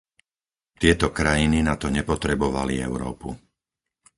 Tieto krajiny na to nepotrebovali Európu.